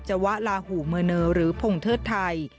วะลาหูเมอร์เนอร์หรือพงเทิดไทย